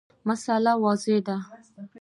مسأله واضحه ده.